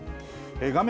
画面